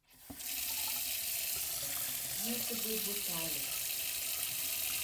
Гэты быў бы талер.